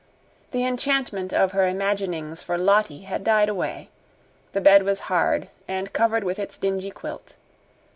The enchantment of her imaginings for Lottie had died away. The bed was hard and covered with its dingy quilt.